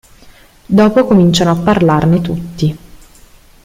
Dopo cominciano a parlarne tutti.